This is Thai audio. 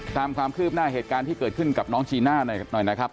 ตามความคืบหน้าเหตุการณ์ที่เกิดขึ้นกับน้องจีน่าหน่อยนะครับ